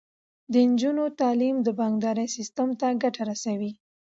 د نجونو تعلیم د بانکدارۍ سیستم ته ګټه رسوي.